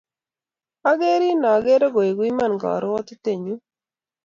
Akerin akere koeku iman karwotitennyu.